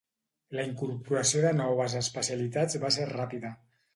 La incorporació de noves especialitats va ser ràpida.